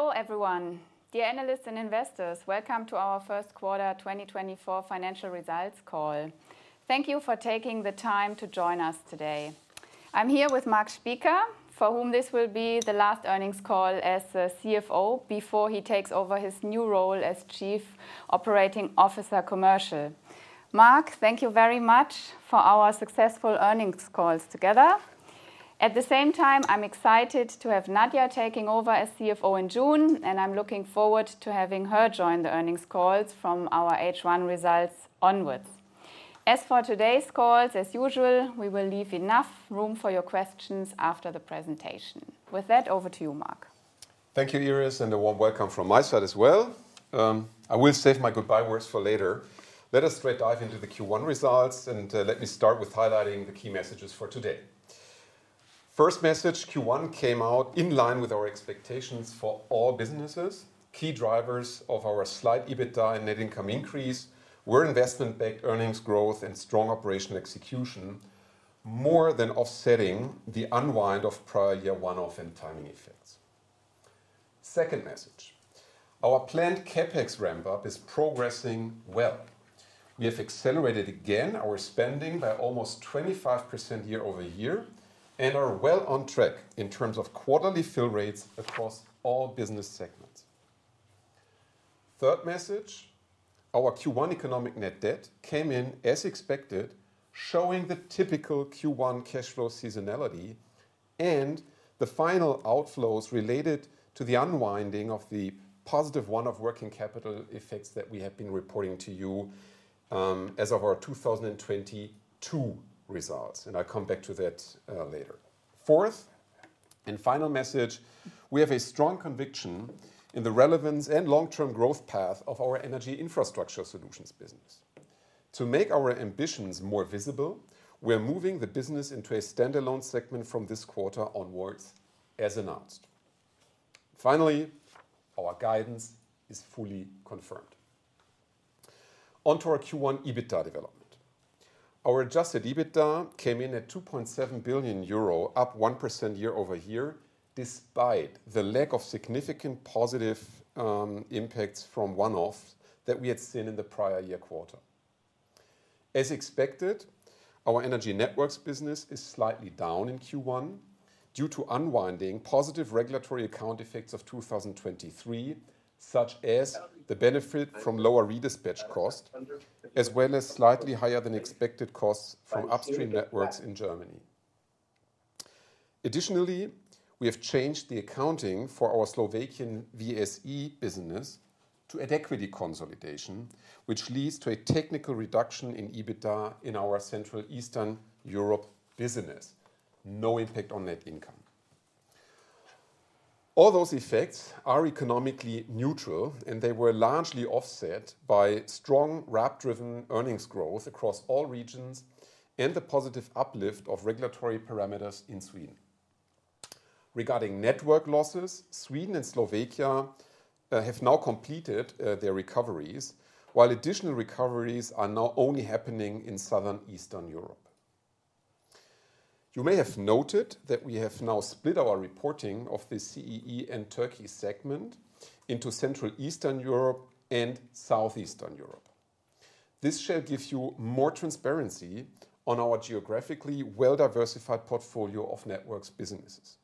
Hello, everyone. Dear analysts and investors, welcome to our first quarter 2024 financial results call. Thank you for taking the time to join us today. I'm here with Marc Spieker, for whom this will be the last earnings call as the CFO before he takes over his new role as Chief Operating Officer Commercial. Marc, thank you very much for our successful earnings calls together. At the same time, I'm excited to have Nadia taking over as CFO in June, and I'm looking forward to having her join the earnings calls from our H1 results onwards. As for today's calls, as usual, we will leave enough room for your questions after the presentation. With that, over to you, Marc. Thank you, Iris, and a warm welcome from my side as well. I will save my goodbye words for later. Let us straight dive into the Q1 results, and, let me start with highlighting the key messages for today. First message, Q1 came out in line with our expectations for all businesses. Key drivers of our slight EBITDA and net income increase were investment-backed earnings growth and strong operational execution, more than offsetting the unwind of prior year one-off and timing effects. Second message, our planned CapEx ramp-up is progressing well. We have accelerated again our spending by almost 25% year-over-year and are well on track in terms of quarterly fill rates across all business segments. Third message, our Q1 economic net debt came in as expected, showing the typical Q1 cash flow seasonality and the final outflows related to the unwinding of the positive one-off working capital effects that we have been reporting to you, as of our 2022 results, and I'll come back to that, later. Fourth and final message, we have a strong conviction in the relevance and long-term growth path of our Energy Infrastructure Solutions business. To make our ambitions more visible, we are moving the business into a standalone segment from this quarter onwards, as announced. Finally, our guidance is fully confirmed. On to our Q1 EBITDA development. Our adjusted EBITDA came in at 2.7 billion euro, up 1% year-over-year, despite the lack of significant positive, impacts from one-offs that we had seen in the prior year quarter. As expected, our Energy Networks business is slightly down in Q1 due to unwinding positive regulatory account effects of 2023, such as the benefit from lower redispatch cost, as well as slightly higher than expected costs from upstream networks in Germany. Additionally, we have changed the accounting for our Slovakian VSE business to an equity consolidation, which leads to a technical reduction in EBITDA in our Central Eastern Europe business. No impact on net income. All those effects are economically neutral, and they were largely offset by strong RAB-driven earnings growth across all regions and the positive uplift of regulatory parameters in Sweden. Regarding network losses, Sweden and Slovakia have now completed their recoveries, while additional recoveries are now only happening in Southeastern Europe. You may have noted that we have now split our reporting of the CEE and Turkey segment into Central Eastern Europe and Southeastern Europe. This should give you more transparency on our geographically well-diversified portfolio of networks businesses.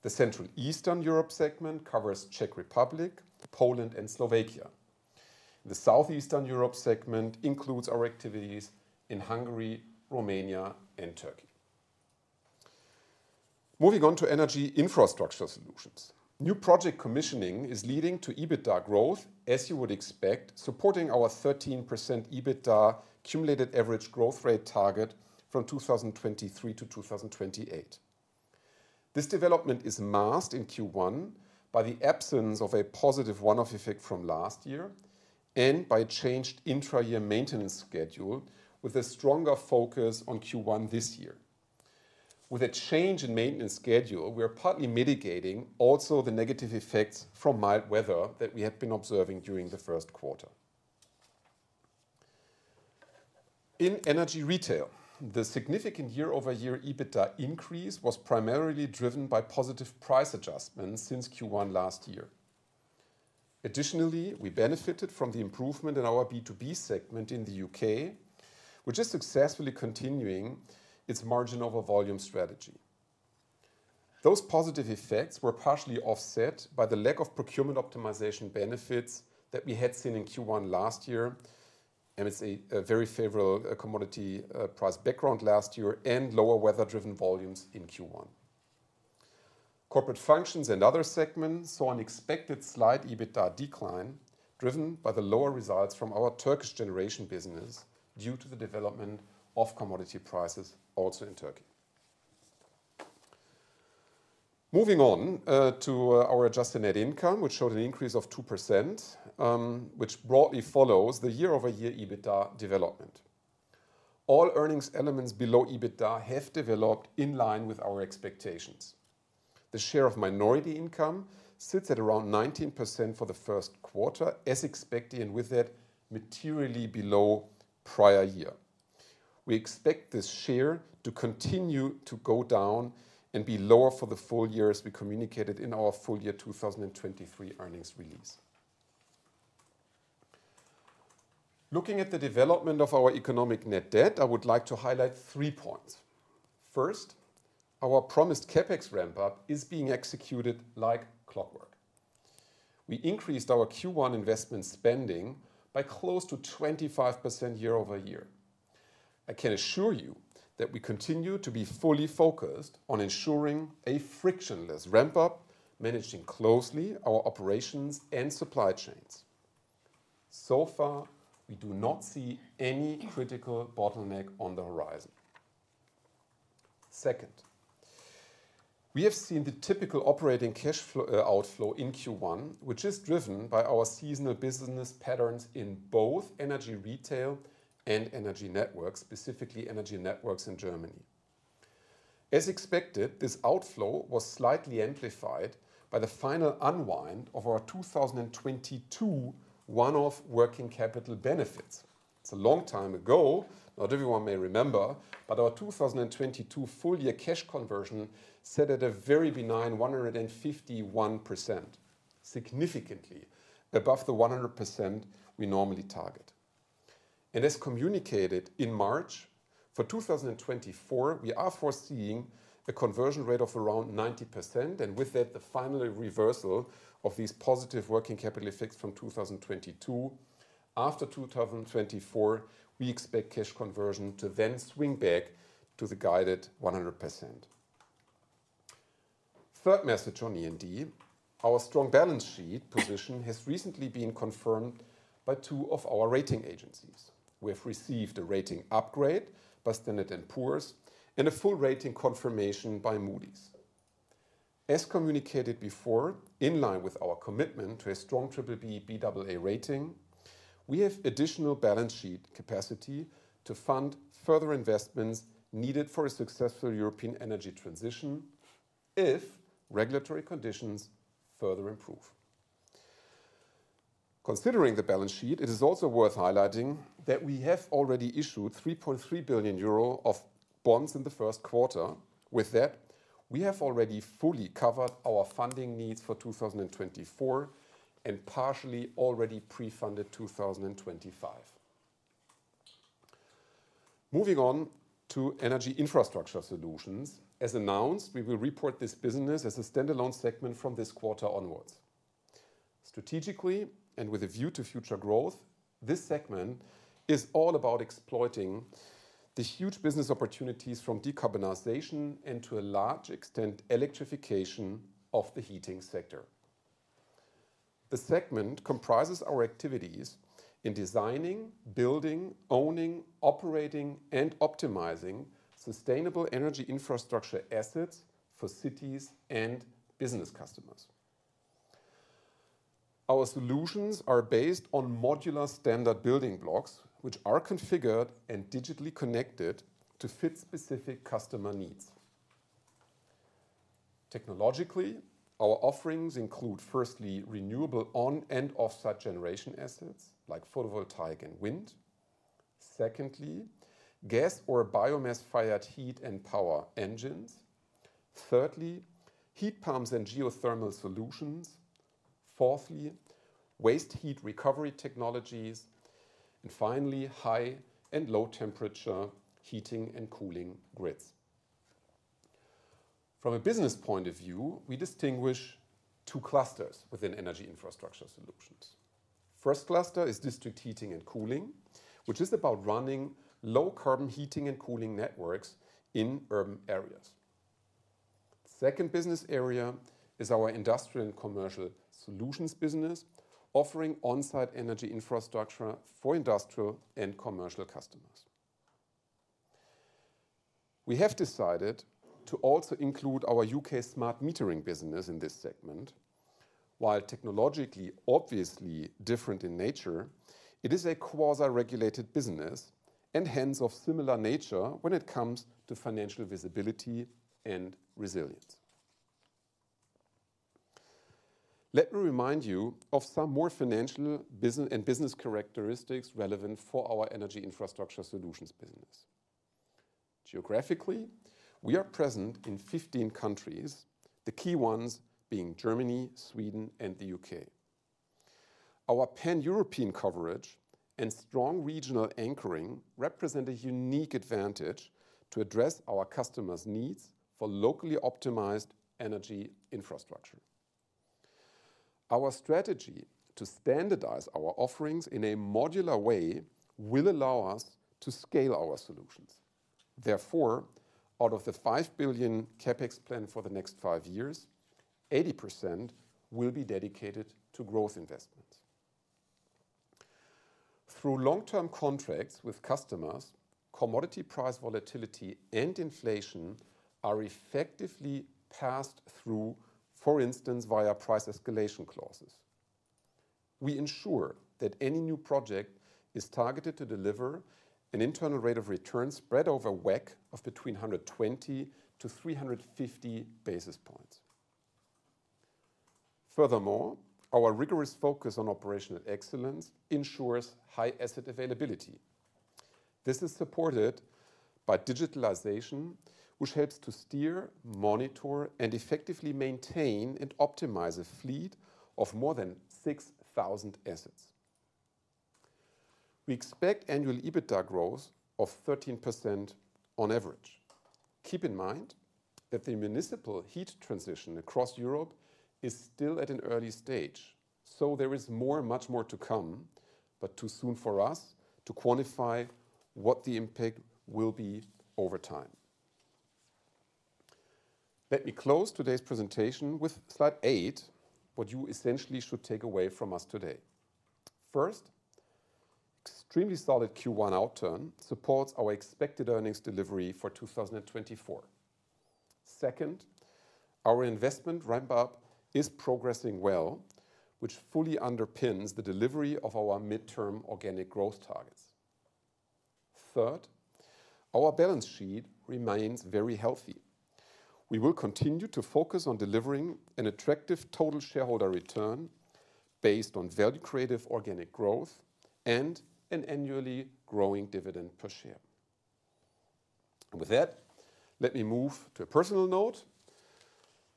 The Central Eastern Europe segment covers Czech Republic, Poland, and Slovakia. The Southeastern Europe segment includes our activities in Hungary, Romania, and Turkey. Moving on to energy infrastructure solutions. New project commissioning is leading to EBITDA growth, as you would expect, supporting our 13% EBITDA cumulative average growth rate target from 2023 to 2028. This development is masked in Q1 by the absence of a positive one-off effect from last year and by a changed intra-year maintenance schedule with a stronger focus on Q1 this year. With a change in maintenance schedule, we are partly mitigating also the negative effects from mild weather that we have been observing during the first quarter. In Energy Retail, the significant year-over-year EBITDA increase was primarily driven by positive price adjustments since Q1 last year. Additionally, we benefited from the improvement in our B2B segment in the UK, which is successfully continuing its margin over volume strategy. Those positive effects were partially offset by the lack of procurement optimization benefits that we had seen in Q1 last year, and it's a very favorable commodity price background last year and lower weather-driven volumes in Q1. Corporate functions and other segments saw an expected slight EBITDA decline, driven by the lower results from our Turkish generation business due to the development of commodity prices also in Turkey. Moving on to our adjusted net income, which showed an increase of 2%, which broadly follows the year-over-year EBITDA development. All earnings elements below EBITDA have developed in line with our expectations. The share of minority income sits at around 19% for the first quarter, as expected, and with that, materially below prior year. We expect this share to continue to go down and be lower for the full-year, as we communicated in our full-year 2023 earnings release. Looking at the development of our economic net debt, I would like to highlight three points. First, our promised CapEx ramp-up is being executed like clockwork. We increased our Q1 investment spending by close to 25% year-over-year. I can assure you that we continue to be fully focused on ensuring a frictionless ramp-up, managing closely our operations and supply chains. So far, we do not see any critical bottleneck on the horizon. Second, we have seen the typical operating cash flow outflow in Q1, which is driven by our seasonal business patterns in both energy retail and energy networks, specifically energy networks in Germany. As expected, this outflow was slightly amplified by the final unwind of our 2022 one-off working capital benefits. It's a long time ago, not everyone may remember, but our 2022 full-year cash conversion sat at a very benign 151%, significantly above the 100% we normally target. As communicated in March, for 2024, we are foreseeing a conversion rate of around 90%, and with that, the final reversal of these positive working capital effects from 2022. After 2024, we expect cash conversion to then swing back to the guided 100%. Third message on E&P: Our strong balance sheet position has recently been confirmed by two of our rating agencies. We have received a rating upgrade by Standard & Poor's and a full rating confirmation by Moody's. As communicated before, in line with our commitment to a strong BBB, Baa rating, we have additional balance sheet capacity to fund further investments needed for a successful European energy transition if regulatory conditions further improve. Considering the balance sheet, it is also worth highlighting that we have already issued 3.3 billion euro of bonds in the first quarter. With that, we have already fully covered our funding needs for 2024 and partially already pre-funded 2025. Moving on to energy infrastructure solutions. As announced, we will report this business as a standalone segment from this quarter onwards. Strategically, and with a view to future growth, this segment is all about exploiting the huge business opportunities from decarbonization and, to a large extent, electrification of the heating sector. The segment comprises our activities in designing, building, owning, operating, and optimizing sustainable energy infrastructure assets for cities and business customers. Our solutions are based on modular standard building blocks, which are configured and digitally connected to fit specific customer needs. Technologically, our offerings include, firstly, renewable on- and off-site generation assets, like photovoltaic and wind. Secondly, gas or biomass-fired heat and power engines. Thirdly, heat pumps and geothermal solutions. Fourthly, waste heat recovery technologies. And finally, high and low temperature heating and cooling grids. From a business point of view, we distinguish two clusters within energy infrastructure solutions. First cluster is district heating and cooling, which is about running low-carbon heating and cooling networks in urban areas. Second business area is our industrial and commercial solutions business, offering on-site energy infrastructure for industrial and commercial customers. We have decided to also include our U.K. smart metering business in this segment. While technologically obviously different in nature, it is a quasi-regulated business and hence of similar nature when it comes to financial visibility and resilience. Let me remind you of some more financial business and business characteristics relevant for our energy infrastructure solutions business. Geographically, we are present in 15 countries, the key ones being Germany, Sweden, and the U.K. Our Pan-European coverage and strong regional anchoring represent a unique advantage to address our customers' needs for locally optimized energy infrastructure. Our strategy to standardize our offerings in a modular way will allow us to scale our solutions. Therefore, out of the 5 billion CapEx plan for the next 5 years, 80% will be dedicated to growth investments. Through long-term contracts with customers, commodity price volatility and inflation are effectively passed through, for instance, via price escalation clauses. We ensure that any new project is targeted to deliver an internal rate of return spread over WACC of between 120 to 350 basis points.... Furthermore, our rigorous focus on operational excellence ensures high asset availability. This is supported by digitalization, which helps to steer, monitor, and effectively maintain and optimize a fleet of more than 6,000 assets. We expect annual EBITDA growth of 13% on average. Keep in mind that the municipal heat transition across Europe is still at an early stage, so there is more, much more to come, but too soon for us to quantify what the impact will be over time. Let me close today's presentation with slide eight, what you essentially should take away from us today. First, extremely solid Q1 outturn supports our expected earnings delivery for 2024. Second, our investment ramp-up is progressing well, which fully underpins the delivery of our midterm organic growth targets. Third, our balance sheet remains very healthy. We will continue to focus on delivering an attractive total shareholder return based on value-creative organic growth and an annually growing dividend per share. With that, let me move to a personal note.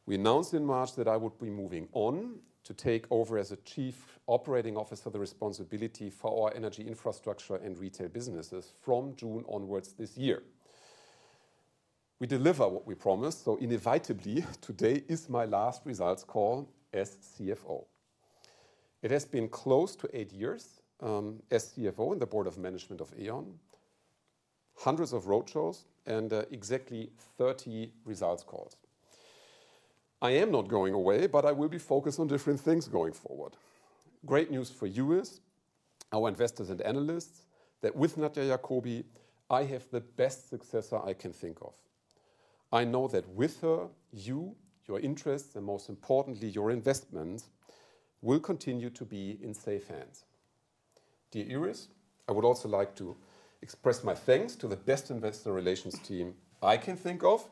We announced in March that I would be moving on to take over as a Chief Operating Officer, the responsibility for our energy infrastructure and retail businesses from June onwards this year. We deliver what we promised, so inevitably, today is my last results call as CFO. It has been close to eight years as CFO in the Board of Management of E.ON, hundreds of road shows and exactly 30 results calls. I am not going away, but I will be focused on different things going forward. Great news for you is, our investors and analysts, that with Nadia Jakobi, I have the best successor I can think of. I know that with her, you, your interests, and most importantly, your investment, will continue to be in safe hands. Dear Iris, I would also like to express my thanks to the best investor relations team I can think of.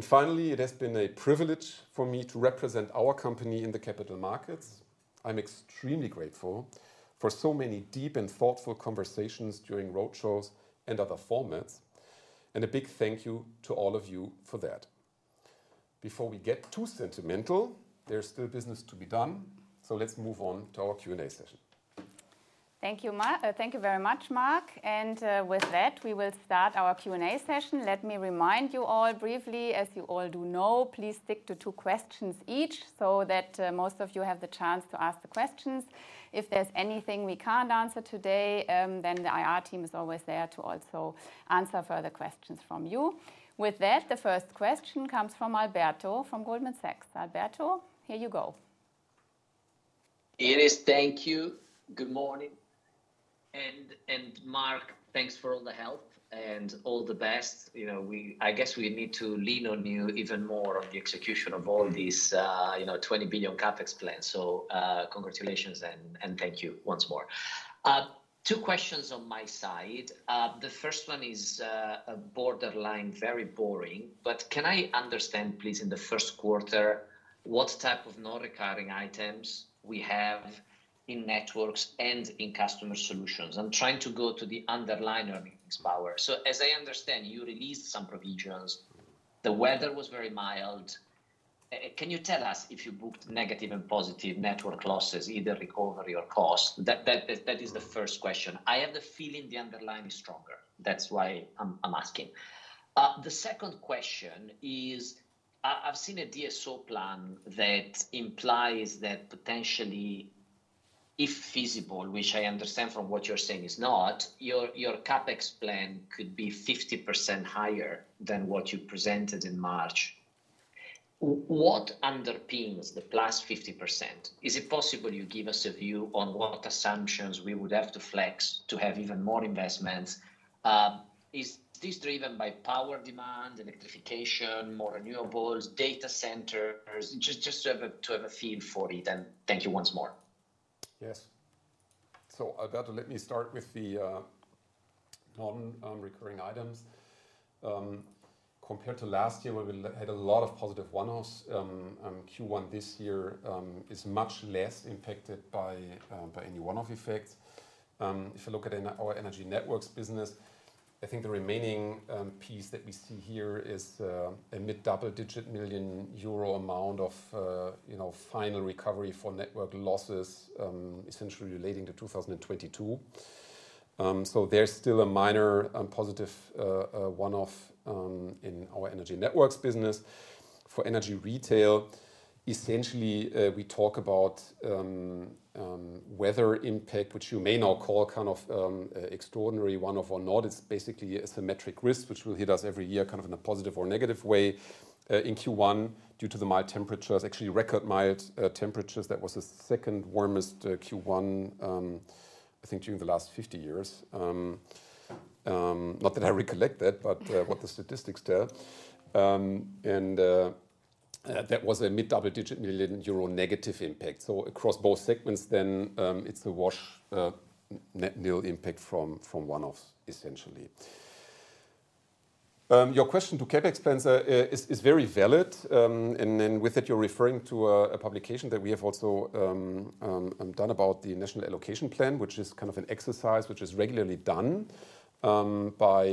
Finally, it has been a privilege for me to represent our company in the capital markets. I'm extremely grateful for so many deep and thoughtful conversations during road shows and other formats, and a big thank you to all of you for that. Before we get too sentimental, there's still business to be done, so let's move on to our Q&A session. Thank you very much, Marc, and with that, we will start our Q&A session. Let me remind you all briefly, as you all do know, please stick to two questions each so that most of you have the chance to ask the questions. If there's anything we can't answer today, then the IR team is always there to also answer further questions from you. With that, the first question comes from Alberto, from Goldman Sachs. Alberto, here you go. Iris, thank you. Good morning. Marc, thanks for all the help and all the best. You know, I guess we need to lean on you even more on the execution of all these, you know, 20 billion CapEx plans. So, congratulations, and thank you once more. Two questions on my side. The first one is a borderline, very boring, but can I understand, please, in the first quarter, what type of non-recurring items we have in networks and in customer solutions? I'm trying to go to the underlying earnings power. So as I understand, you released some provisions. The weather was very mild. Can you tell us if you booked negative and positive network losses, either recovery or cost? That is the first question. I have the feeling the underlying is stronger. That's why I'm asking. The second question is, I, I've seen a DSO plan that implies that potentially, if feasible, which I understand from what you're saying is not, your, your CapEx plan could be 50% higher than what you presented in March. What underpins the plus 50%? Is it possible you give us a view on what assumptions we would have to flex to have even more investments? Is this driven by power demand, electrification, more renewables, data centers? Just, just to have a, to have a feel for it, and thank you once more. Yes. So, Alberto, let me start with the non-recurring items. Compared to last year, where we had a lot of positive one-offs, Q1 this year is much less impacted by any one-off effects. If you look at our energy networks business, I think the remaining piece that we see here is a mid-double-digit million EUR amount of, you know, final recovery for network losses, essentially relating to 2022. So there's still a minor and positive one-off in our energy networks business. For energy retail, essentially, we talk about weather impact, which you may now call kind of extraordinary one-off or not. It's basically a symmetric risk, which will hit us every year, kind of in a positive or negative way. In Q1, due to the mild temperatures, actually record mild temperatures, that was the second warmest Q1, I think during the last 50 years. Not that I recollect that, but what the statistics tell. And that was a mid-double-digit million euro negative impact. So across both segments, then, it's a wash, nil impact from one-offs, essentially. Your question to CapEx spends is very valid. And then with it, you're referring to a publication that we have also done about the National Allocation Plan, which is kind of an exercise which is regularly done by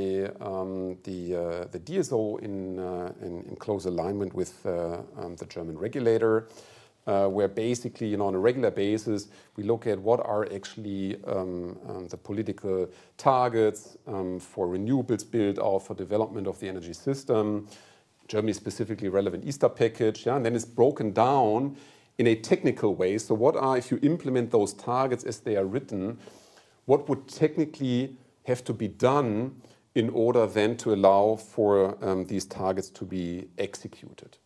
the DSO in close alignment with the German regulator. Where basically, you know, on a regular basis, we look at what are actually the political targets for renewables build or for development of the energy system. Germany, specifically relevant Easter Package, yeah, and then it's broken down in a technical way. So what are, if you implement those targets as they are written, what would technically have to be done in order then to allow for these targets to be executed?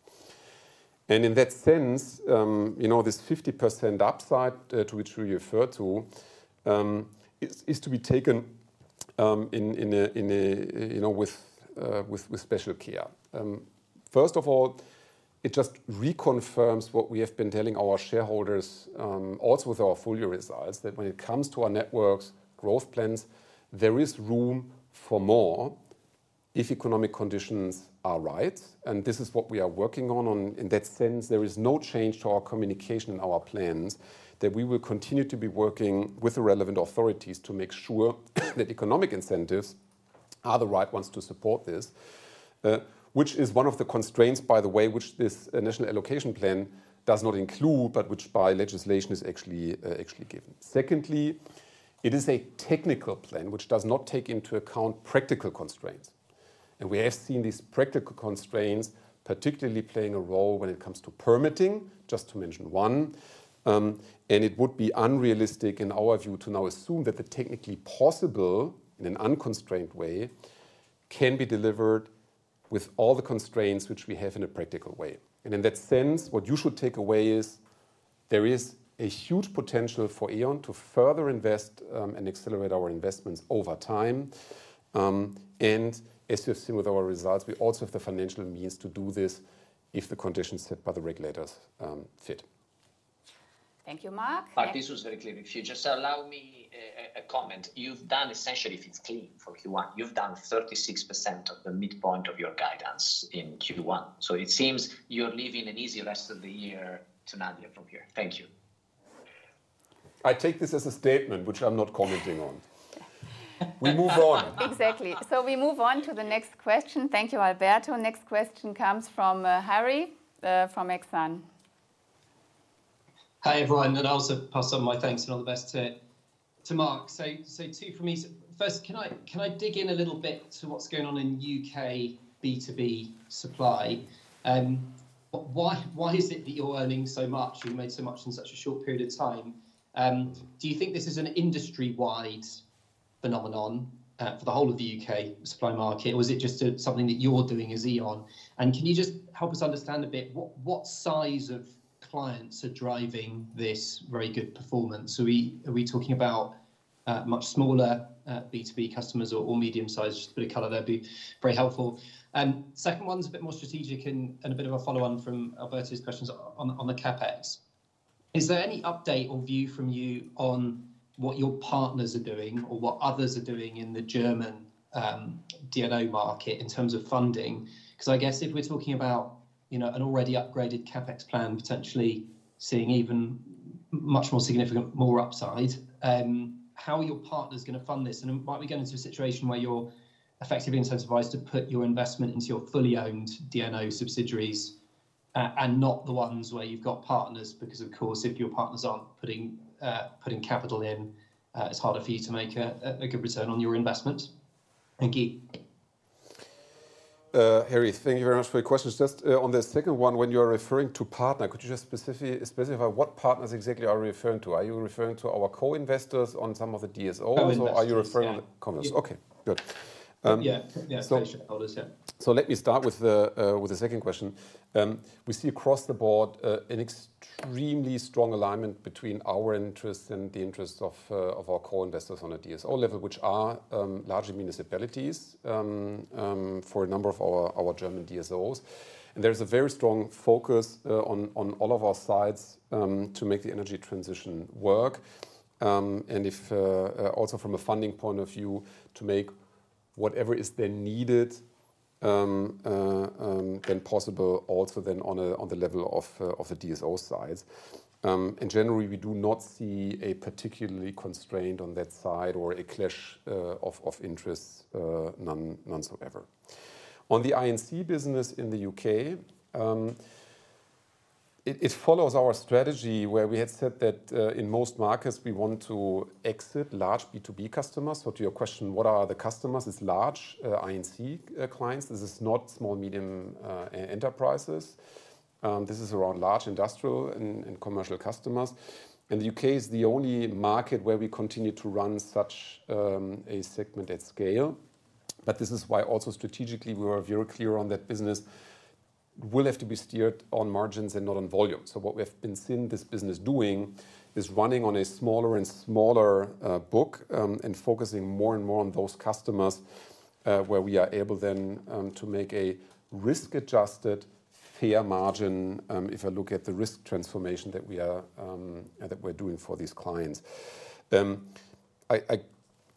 And in that sense, you know, this 50% upside to which you refer to is to be taken in a, in a, you know, with special care. First of all, it just reconfirms what we have been telling our shareholders, also with our full-year results, that when it comes to our networks, growth plans, there is room for more if economic conditions are right, and this is what we are working on. In that sense, there is no change to our communication and our plans. That we will continue to be working with the relevant authorities to make sure that economic incentives are the right ones to support this. Which is one of the constraints, by the way, which this National Allocation Plan does not include, but which by legislation, is actually given. Secondly, it is a technical plan which does not take into account practical constraints, and we have seen these practical constraints, particularly playing a role when it comes to permitting, just to mention one. It would be unrealistic, in our view, to now assume that the technically possible, in an unconstrained way, can be delivered with all the constraints which we have in a practical way. In that sense, what you should take away is there is a huge potential for E.ON to further invest and accelerate our investments over time. As you have seen with our results, we also have the financial means to do this if the conditions set by the regulators fit. Thank you, Marc. But this was very clear. If you just allow me a comment. You've done essentially, if it's clean for Q1, you've done 36% of the midpoint of your guidance in Q1. So it seems you're leaving an easy rest of the year to Nadia from here. Thank you. I take this as a statement which I'm not commenting on. We move on. Exactly. So we move on to the next question. Thank you, Alberto. Next question comes from, Harry, from Exane. Hi, everyone, and I also pass on my thanks and all the best to Marc. So, two for me. First, can I dig in a little bit to what's going on in U.K. B2B supply? Why is it that you're earning so much? You've made so much in such a short period of time. Do you think this is an industry-wide phenomenon for the whole of the U.K. supply market, or is it just something that you're doing as E.ON? And can you just help us understand a bit what size of clients are driving this very good performance? Are we talking about much smaller B2B customers or medium-sized? Just a bit of color there would be very helpful. Second one's a bit more strategic and a bit of a follow-on from Alberto's questions on the CapEx. Is there any update or view from you on what your partners are doing or what others are doing in the German DNO market in terms of funding? 'Cause I guess if we're talking about, you know, an already upgraded CapEx plan, potentially seeing even much more significant, more upside, how are your partners gonna fund this? And then might we get into a situation where you're effectively incentivized to put your investment into your fully owned DNO subsidiaries and not the ones where you've got partners? Because, of course, if your partners aren't putting capital in, it's harder for you to make a good return on your investment. Thank you. Harry, thank you very much for your questions. Just, on the second one, when you are referring to partner, could you just specify what partners exactly are you referring to? Are you referring to our co-investors on some of the DSOs? Co-investors, yeah. Or are you referring... Okay, good. Yeah. Yeah, shareholders, yeah. So let me start with the second question. We see across the board an extremely strong alignment between our interests and the interests of our co-investors on a DSO level, which are largely municipalities for a number of our German DSOs. And there's a very strong focus on all of our sides to make the energy transition work. And also from a funding point of view to make whatever is then needed then possible, also then on the level of the DSO sides. In general, we do not see a particular constraint on that side or a clash of interests, none whatsoever. On the I&C business in the U.K., it follows our strategy where we had said that in most markets we want to exit large B2B customers. So to your question, what are the customers? It's large I&C clients. This is not small, medium enterprises. This is around large industrial and commercial customers, and the U.K. is the only market where we continue to run such a segment at scale. But this is why also strategically, we are very clear on that business will have to be steered on margins and not on volume. So what we have been seeing this business doing is running on a smaller and smaller book and focusing more and more on those customers where we are able then to make a risk-adjusted fair margin if I look at the risk transformation that we're doing for these clients. I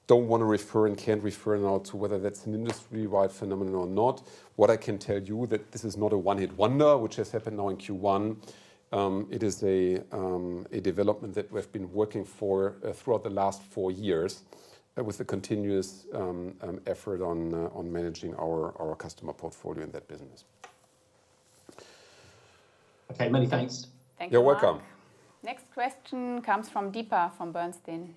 don't wanna refer and can't refer now to whether that's an industry-wide phenomenon or not. What I can tell you that this is not a one-hit wonder, which has happened now in Q1. It is a development that we have been working for throughout the last four years with a continuous effort on managing our customer portfolio in that business. Okay, many thanks. Thank you, Marc. You're welcome. Next question comes from Deepa, from Bernstein.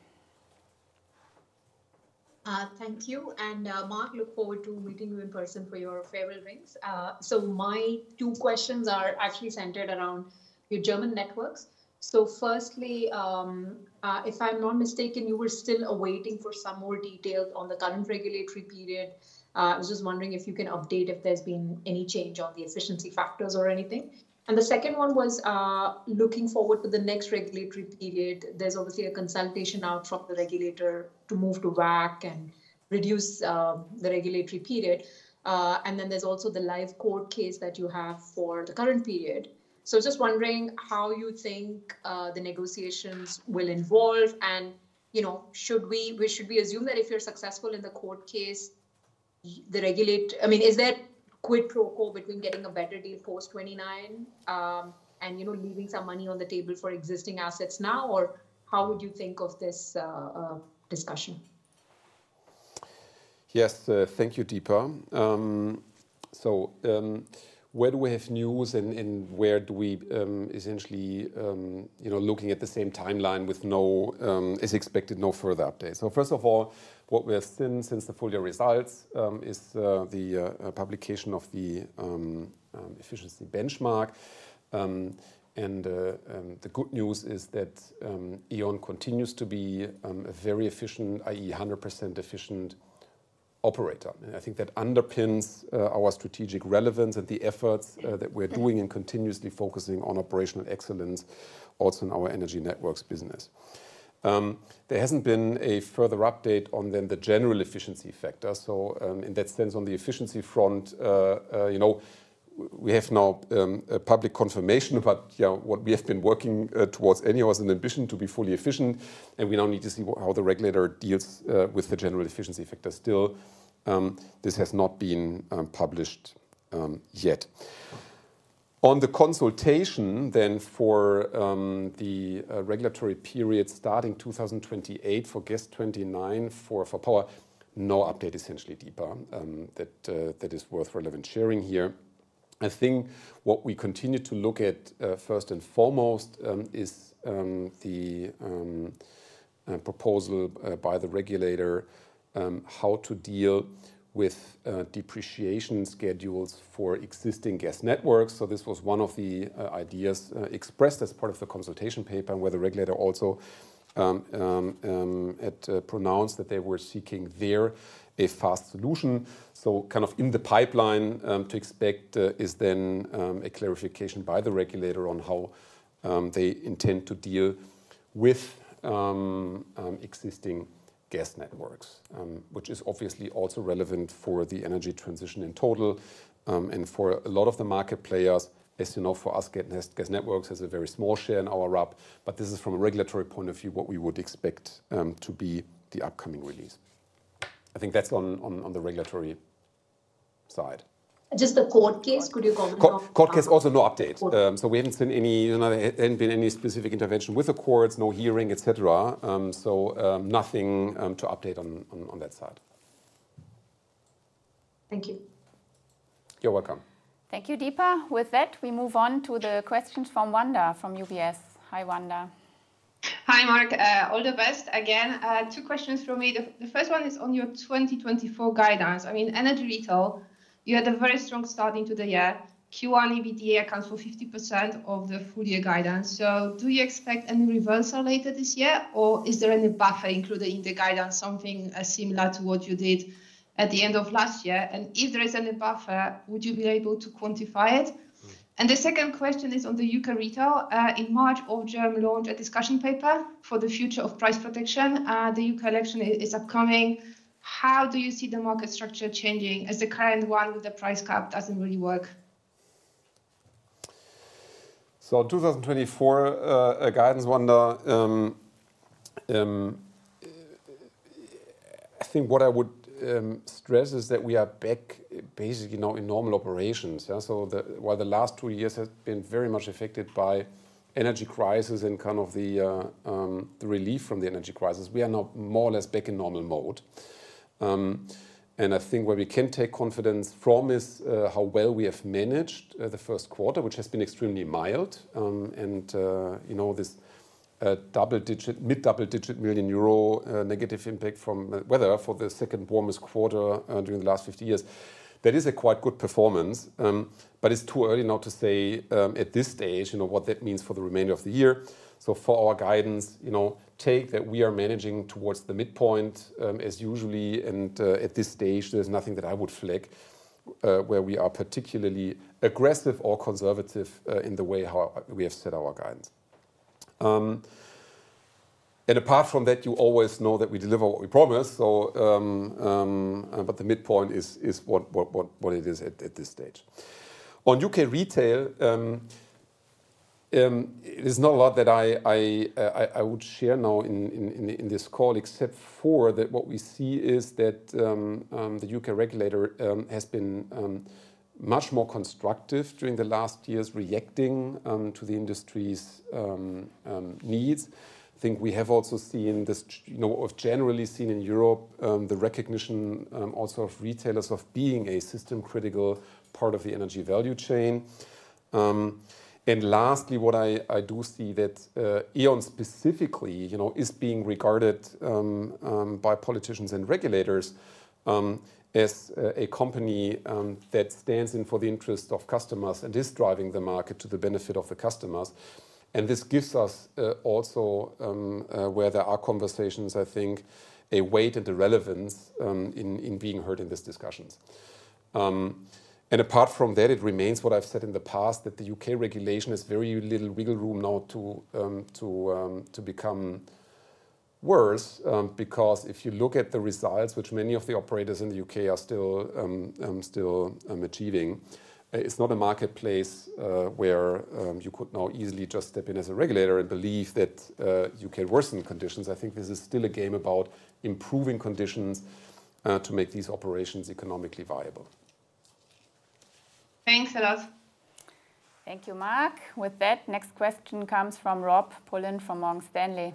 Thank you, and, Marc, look forward to meeting you in person for your farewell drinks. So my two questions are actually centered around your German networks. So firstly, if I'm not mistaken, you were still awaiting for some more details on the current regulatory period. I was just wondering if you can update if there's been any change on the efficiency factors or anything? And the second one was, looking forward to the next regulatory period, there's obviously a consultation out from the regulator to move to WACC and reduce, the regulatory period. And then there's also the live court case that you have for the current period. So just wondering how you think, the negotiations will evolve and, you know, should assume that if you're successful in the court case, y- the regulate... I mean, is there quid pro quo between getting a better deal post '29, and, you know, leaving some money on the table for existing assets now? Or how would you think of this discussion? Yes. Thank you, Deepa. So, where do we have news and where do we essentially, you know, looking at the same timeline with no, as expected, no further update. So first of all, what we have seen since the full-year results is the publication of the efficiency benchmark. And the good news is that E.ON continues to be a very efficient, i.e., 100% efficient operator. And I think that underpins our strategic relevance and the efforts that we're doing and continuously focusing on operational excellence, also in our energy networks business. There hasn't been a further update on then the general efficiency factor. So, in that sense, on the efficiency front, you know, we have now a public confirmation about, you know, what we have been working towards, and it was an ambition to be fully efficient, and we now need to see what - how the regulator deals with the general efficiency factor. Still, this has not been published yet. On the consultation then for the regulatory period starting 2028 for gas 2029, for power, no update, essentially, Deepa, that is worth relevant sharing here. I think what we continue to look at, first and foremost, is the proposal by the regulator, how to deal with depreciation schedules for existing gas networks. So this was one of the ideas expressed as part of the consultation paper, where the regulator also had pronounced that they were seeking there a fast solution. So kind of in the pipeline to expect is then a clarification by the regulator on how they intend to deal with existing gas networks. Which is obviously also relevant for the energy transition in total and for a lot of the market players. As you know, for us, gas networks has a very small share in our RAB, but this is from a regulatory point of view, what we would expect to be the upcoming release. I think that's on the regulatory side. Just the court case, could you comment on? Court, court case, also no update. Court- We haven't seen any, you know, there hadn't been any specific intervention with the courts, no hearing, et cetera. Nothing to update on that side. Thank you. You're welcome. Thank you, Deepa. With that, we move on to the questions from Wanda, from UBS. Hi, Wanda. Hi, Marc. All the best. Again, two questions from me. The first one is on your 2024 guidance. I mean, Energy Retail, you had a very strong start into the year. Q1 EBITDA accounts for 50% of the full-year guidance. So do you expect any reversal later this year, or is there any buffer included in the guidance, something similar to what you did at the end of last year? And if there is any buffer, would you be able to quantify it? The second question is on the U.K. Retail. In March, Ofgem launched a discussion paper for the future of price protection. The U.K. election is upcoming. How do you see the market structure changing, as the current one with the price cap doesn't really work? So 2024 guidance, Wanda, I think what I would stress is that we are back basically now in normal operations. Yeah, so the... Well, the last two years have been very much affected by energy crisis and kind of the relief from the energy crisis. We are now more or less back in normal mode. I think where we can take confidence from is how well we have managed the first quarter, which has been extremely mild. You know, this double-digit mid-double-digit million EUR negative impact from weather for the second warmest quarter during the last 50 years. That is a quite good performance, but it's too early now to say at this stage, you know, what that means for the remainder of the year. So for our guidance, you know, take that we are managing towards the midpoint, as usual, and at this stage, there's nothing that I would flag, where we are particularly aggressive or conservative, in the way how we have set our guidance. Apart from that, you always know that we deliver what we promise, so, but the midpoint is what it is at this stage. On U.K. Retail, there's not a lot that I would share now in this call, except for that what we see is that the U.K. regulator has been much more constructive during the last years, reacting to the industry's needs. I think we have also seen this, you know, have generally seen in Europe the recognition also of retailers of being a system-critical part of the energy value chain. And lastly, what I do see that E.ON specifically, you know, is being regarded by politicians and regulators as a company that stands in for the interest of customers and is driving the market to the benefit of the customers. And this gives us also where there are conversations, I think, a weight and the relevance in being heard in these discussions. And apart from that, it remains what I've said in the past, that the U.K. regulation has very little wiggle room now to become worse. Because if you look at the results, which many of the operators in the U.K. are still achieving, it's not a marketplace where you could now easily just step in as a regulator and believe that you can worsen the conditions. I think this is still a game about improving conditions to make these operations economically viable. Thanks a lot. Thank you, Marc. With that, next question comes from Robert Pulleyn from Morgan Stanley.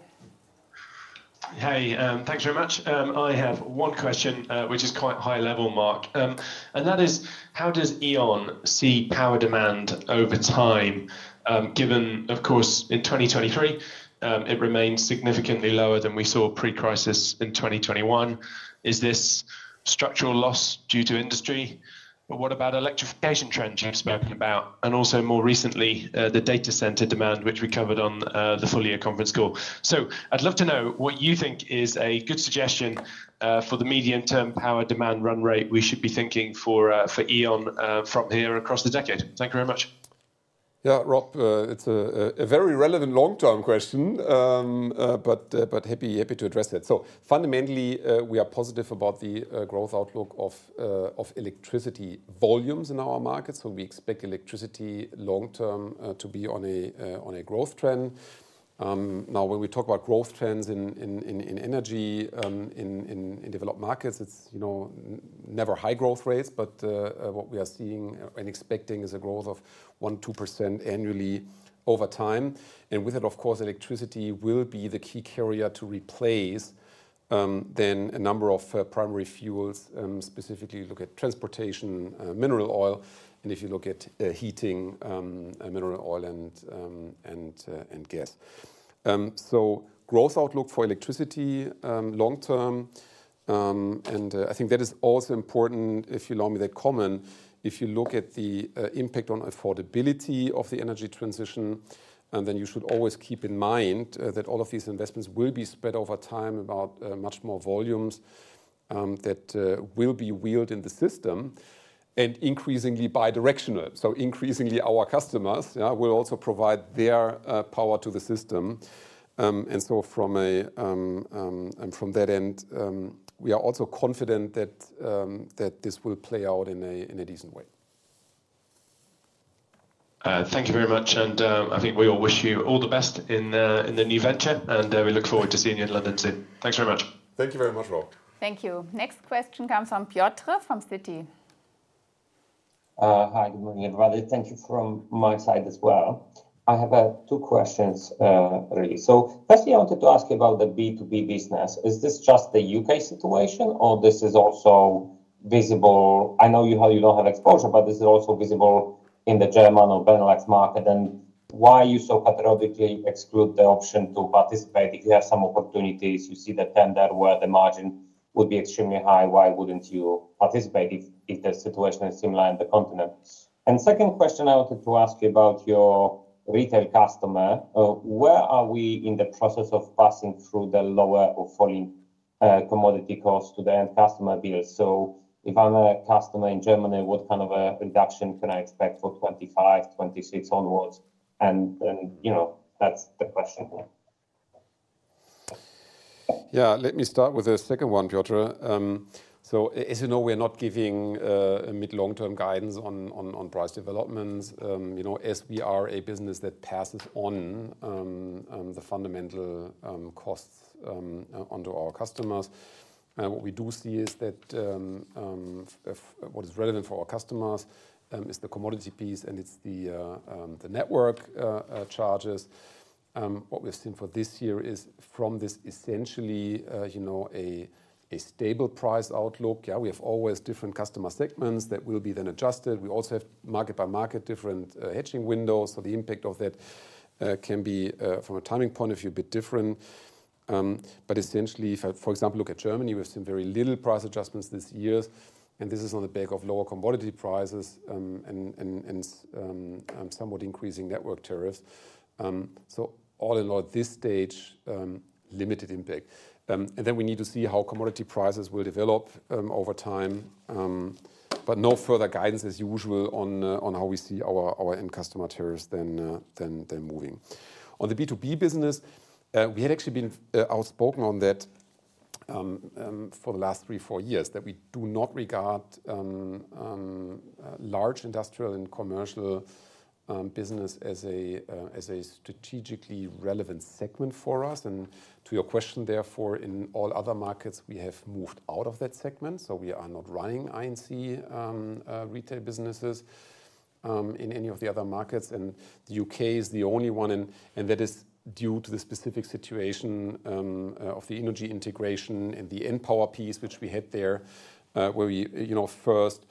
Hey, thanks very much. I have one question, which is quite high level, Marc. That is, how does E.ON see power demand over time, given, of course, in 2023, it remains significantly lower than we saw pre-crisis in 2021. Is this structural loss due to industry? But what about electrification trends- Yeah... you've spoken about, and also more recently, the data center demand, which we covered on, the full-year conference call. So I'd love to know what you think is a good suggestion, for the medium-term power demand run rate we should be thinking for, for E.ON, from here across the decade. Thank you very much. Yeah, Rob, it's a very relevant long-term question, but happy to address that. So fundamentally, we are positive about the growth outlook of electricity volumes in our markets. So we expect electricity long term to be on a growth trend. Now, when we talk about growth trends in energy in developed markets, it's, you know, never high growth rates, but what we are seeing and expecting is a growth of 1-2% annually over time. And with that, of course, electricity will be the key carrier to replace then a number of primary fuels, specifically look at transportation, mineral oil, and if you look at heating, mineral oil and gas. So growth outlook for electricity, long term, and I think that is also important, if you allow me that comment, if you look at the impact on affordability of the energy transition, and then you should always keep in mind that all of these investments will be spread over time about much more volumes that will be wheeled in the system and increasingly bidirectional. So increasingly, our customers, yeah, will also provide their power to the system. And so from a and from that end, we are also confident that that this will play out in a, in a decent way. Thank you very much, and I think we all wish you all the best in the new venture, and we look forward to seeing you in London soon. Thanks very much. Thank you very much, Rob. Thank you. Next question comes from Piotr from Citi. Hi, good morning, everybody. Thank you from my side as well. I have two questions, really. So firstly, I wanted to ask you about the B2B business. Is this just a U.K. situation or this is also visible... I know you don't have exposure, but this is also visible in the German or Benelux market. And why you so categorically exclude the option to participate if you have some opportunities, you see the tender where the margin would be extremely high, why wouldn't you participate if the situation is similar in the continent? And second question, I wanted to ask you about your retail customer. Where are we in the process of passing through the lower or falling, commodity costs to the end customer bill? So if I'm a customer in Germany, what kind of a reduction can I expect for 2025, 2026 onwards? And, you know, that's the question here. Yeah, let me start with the second one, Piotr. So as you know, we're not giving mid, long-term guidance on price developments. You know, as we are a business that passes on the fundamental costs onto our customers, what we do see is that if what is relevant for our customers is the commodity piece, and it's the network charges. What we've seen for this year is from this essentially a stable price outlook. Yeah, we have always different customer segments that will be then adjusted. We also have market-by-market different hedging windows, so the impact of that can be from a timing point of view a bit different. But essentially, if I, for example, look at Germany, we've seen very little price adjustments this year, and this is on the back of lower commodity prices, and somewhat increasing network tariffs. So all in all, at this stage, limited impact. And then we need to see how commodity prices will develop over time. But no further guidance as usual on how we see our end customer tariffs than moving. On the B2B business, we had actually been outspoken on that for the last three, four years, that we do not regard large industrial and commercial business as a strategically relevant segment for us. To your question, therefore, in all other markets, we have moved out of that segment, so we are not running Innogy retail businesses in any of the other markets. The U.K. is the only one, and that is due to the specific situation of the energy integration and the Npower piece, which we had there, where we, you know, first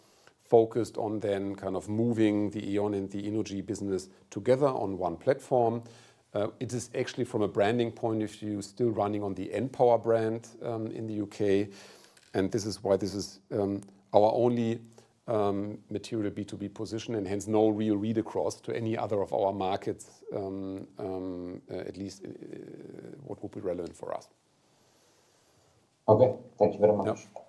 focused on then kind of moving the E.ON and the Innogy business together on one platform. It is actually, from a branding point of view, still running on the Npower brand in the U.K., and this is why this is our only material B2B position, and hence no real read-across to any other of our markets, at least what would be relevant for us. Okay. Thank you very much. Yeah.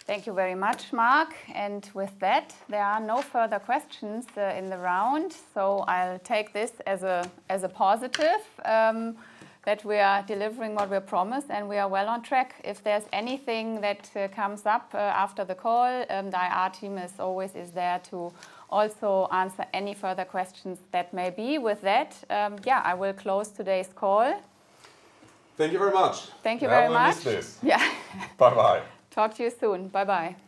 Thank you very much, Marc. And with that, there are no further questions in the round, so I'll take this as a positive that we are delivering what we promised, and we are well on track. If there's anything that comes up after the call, our team is always there to also answer any further questions that may be. With that, I will close today's call. Thank you very much. Thank you very much. I will miss this. Yeah. Bye-bye. Talk to you soon. Bye-bye.